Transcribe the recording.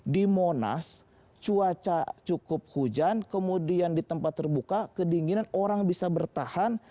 di monas cuaca cukup hujan kemudian di tempat terbuka kedinginan orang bisa bertahan